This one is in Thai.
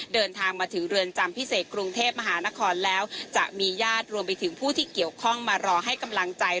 เดินทางมาถึงเรือนจำพิเศษกรุงเทพมหานครแล้วจะมีญาติรวมไปถึงผู้ที่เกี่ยวข้องมารอให้กำลังใจ